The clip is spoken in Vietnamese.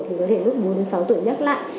thì có thể lúc bốn sáu tuổi nhắc lại